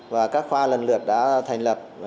và các khoa lần lượt đã thành lập